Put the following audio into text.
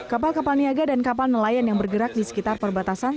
kapal kapal niaga dan kapal nelayan yang bergerak di sekitar perbatasan